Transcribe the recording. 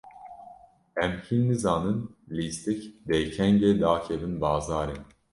Em hîn nizanin lîstik dê kengê dakevin bazarê.